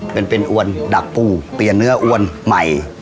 เป็นเป็นอวนดักปูเปลี่ยนเนื้ออวนใหม่